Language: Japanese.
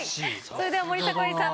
それでは森迫永依さん